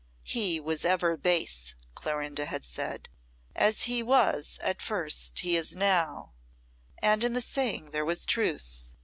"He was ever base," Clorinda had said. "As he was at first he is now," and in the saying there was truth.